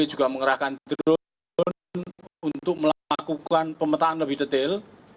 juga mengerahkan drone untuk melakukan pemetaan lebih detail